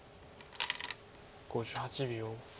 ５８秒。